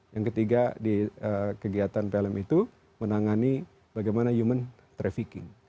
yang ketiga di kegiatan plm itu menangani bagaimana human trafficking